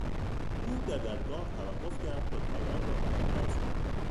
او در درگاه توقف کرد تا تالار را برانداز کند.